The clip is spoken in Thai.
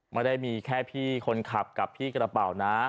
ไม่ได้มีแค่พี่คนขับกับพี่กระเป๋านะ